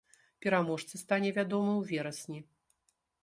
Пераможца стане вядомы ў верасні.